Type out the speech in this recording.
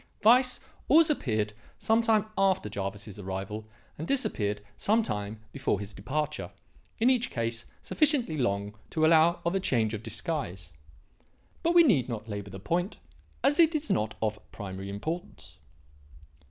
Weiss always appeared some time after Jervis's arrival and disappeared some time before his departure, in each case sufficiently long to allow of a change of disguise. But we need not labour the point, as it is not of primary importance.